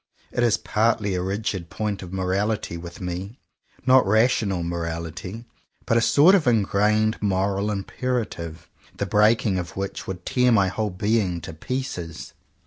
It is partly a rigid point of morality with me, — not rational morality, but a sort of ingrained moral imperative, the breaking of which would tear my whole being to pieces.